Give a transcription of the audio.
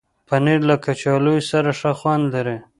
پنېر له کچالو سره ښه خوند لري.